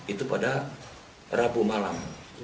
itu pada rabu malam